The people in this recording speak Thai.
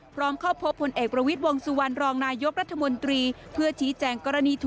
พร้อมเข้าพบพลเอกประวิตรวงสุวรรณรองค์รัฐมนตรี